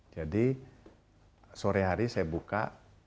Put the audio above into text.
jadi sore hari saya buka